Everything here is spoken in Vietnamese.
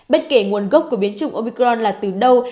bất kể nguồn gốc của biến chủng opron là từ đâu